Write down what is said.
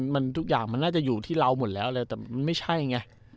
มันทุกอย่างมันน่าจะอยู่ที่เราหมดแล้วเลยแต่มันไม่ใช่ไง